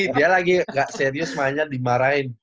dia lagi gak serius mainnya dimarahin